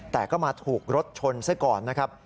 แต่ก็มาถูกรถชนซะก่อนนะครับ